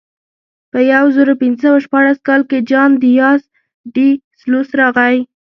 په یو زرو پینځه سوه شپاړس کال کې جان دیاز ډي سلوس راغی.